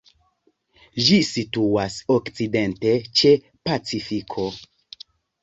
Ĝi situas okcidente ĉe Pacifiko.